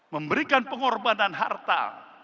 memberikan pengorbanan harta